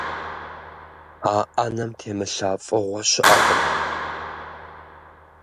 А ӏэнэм темылъа фӀыгъуэ щыӀэкъым.